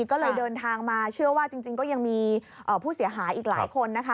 ก็เลยเดินทางมาเชื่อว่าจริงก็ยังมีผู้เสียหายอีกหลายคนนะคะ